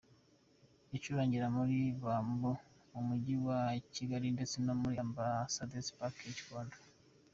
Icurangira muri Bambu mu mujyi wa Kigali ndetse no muri Ambasadazi Paki i Gikondo.